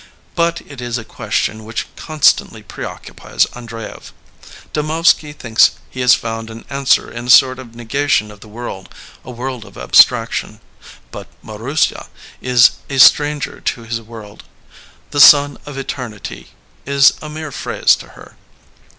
But it is a question which constantly preoccupies Andreyev. Temovsky thinks he has found an an swer in a sort of negation of the world, a world of abstraction. But Marussya is a stranger to his world. The son of eternity" is a mere phrase to her.